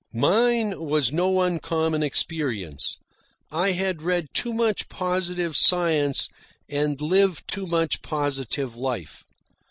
Mine was no uncommon experience. I had read too much positive science and lived too much positive life.